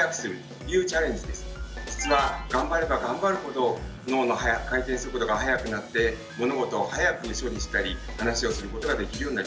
実は頑張れば頑張るほど脳の回転速度が速くなって物事を速く処理したり話をすることができるようになります。